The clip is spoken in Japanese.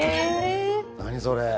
何それ！